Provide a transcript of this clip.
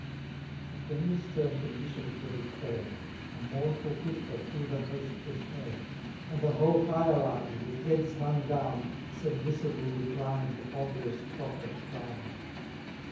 But when the stern conditions were declared, A mournful whisper through the host was heard, And the whole hierarchy, with heads hung down, Submissively declined the ponderous proffer'd crown.